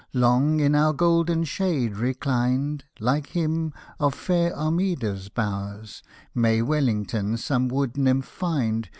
Long, in your golden shade reclined, Like him of fair Armida's bowers, May W — 11 — n some wood nyTcv^ find.